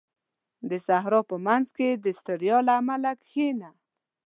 • د صحرا په منځ کې د ستړیا له امله کښېنه.